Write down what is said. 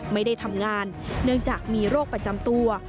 ไม่ได้ทำงานเนื่องจากมีโรคประจำตัว